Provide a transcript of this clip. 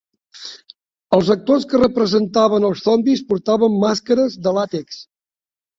Els actors que representaven els zombis portaven màscares de làtex.